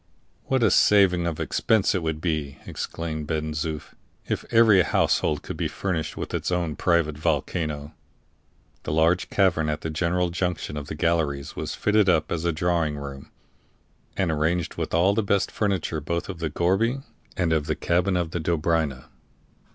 "What a saving of expense it would be," exclaimed Ben Zoof, "if every household could be furnished with its own private volcano!" The large cavern at the general junction of the galleries was fitted up as a drawing room, and arranged with all the best furniture both of the gourbi and of the cabin of the Dobryna.